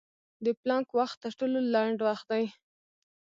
د پلانک وخت تر ټولو لنډ وخت دی.